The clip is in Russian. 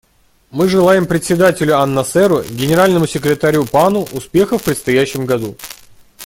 Мы желаем Председателю анНасеру и Генеральному секретарю Пану успеха в предстоящем году.